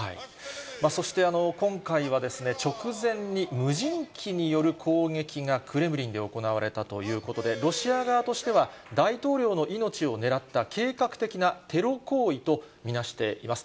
そして今回は、直前に無人機による攻撃がクレムリンで行われたということで、ロシア側としては大統領の命を狙った計画的なテロ行為とみなしています。